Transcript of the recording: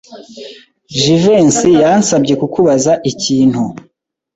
Jivency yansabye kukubaza ikintu.